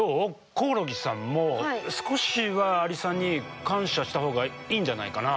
コオロギさんも少しはアリさんに感謝したほうがいいんじゃないかな？